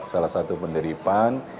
salah satu pendiripan